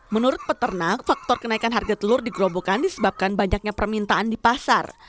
menurut peternak faktor kenaikan harga telur di gerobokan disebabkan banyaknya permintaan di pasar